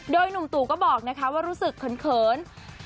โดยหนุ่มตู่ก็บอกนะคะว่ารู้สึกเขิน